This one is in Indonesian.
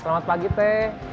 selamat pagi teh